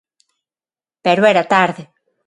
Pero era tarde.